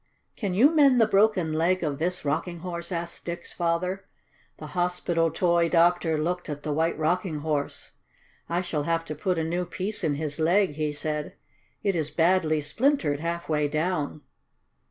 "Can you mend the broken leg of this Rocking Horse?" asked Dick's father. The hospital toy doctor looked at the White Rocking Horse. "I shall have to put a new piece in his leg," he said. "It is badly splintered half way down."